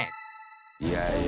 いやいや。